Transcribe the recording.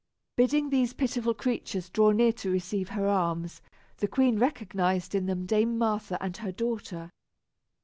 Bidding these pitiful creatures draw near to receive her alms, the queen recognized in them Dame Martha and her daughter.